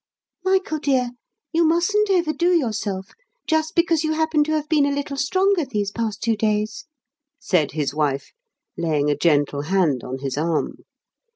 "Michael, dear, you mustn't overdo yourself just because you happen to have been a little stronger these past two days," said his wife, laying a gentle hand upon his arm.